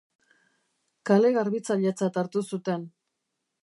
Kale-garbitzailetzat hartu zuten.